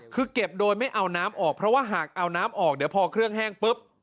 คือเก็บโดยไม่เอาน้ำออกเพราะว่าหากเอาน้ำออกเดี๋ยวพอเครื่องแห้งปุ๊บ